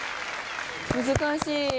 難しい。